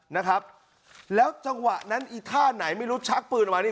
นะครับแล้วจังหวะนั้นอีท่าไหนไม่รู้ชักปืนออกมานี่